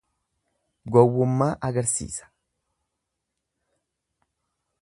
Gowwummaa agarsiisa.